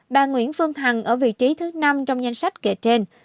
bà nguyễn phương hằng ở vị trí thứ năm trong danh sách kể trên